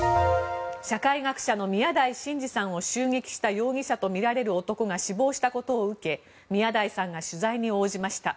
社会学者の宮台真司さんを襲撃した容疑者とみられる男が死亡したことを受け宮台さんが取材に応じました。